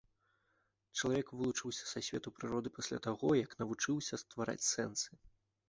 Чалавек вылучыўся са свету прыроды пасля таго, як навучыўся ствараць сэнсы.